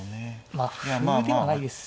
まあ歩でもないですね。